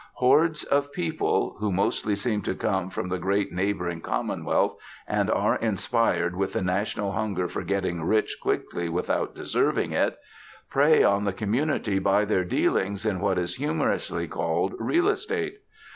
Hordes of people who mostly seem to come from the great neighbouring Commonwealth, and are inspired with the national hunger for getting rich quickly without deserving it prey on the community by their dealings in what is humorously called 'Real Estate.'